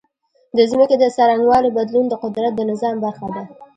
د ځمکې د څرنګوالي بدلون د قدرت د نظام برخه ده.